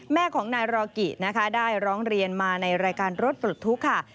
แม่ของนายรอกินะคะได้ร้องเรียนมาในรายการรถปลดทุกข์ค่ะ